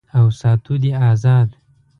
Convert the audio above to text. او ساتو دې آزاد